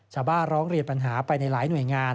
ร้องเรียนปัญหาไปในหลายหน่วยงาน